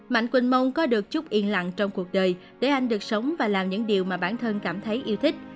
mạnh quỳnh mong có được chút yên lặng trong cuộc đời để anh được sống và làm những điều mà bản thân cảm thấy yêu thích